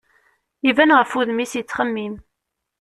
Iban ɣef wudem-is yettxemmim.